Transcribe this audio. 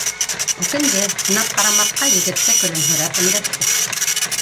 Үкенде, һынап ҡара маҡҡа, егеткә көлөмһөрәп өндәште